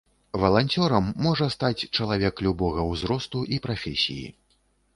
Валанцёрам можа стаць чалавек любога ўзросту і прафесіі.